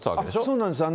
そうなんですよ。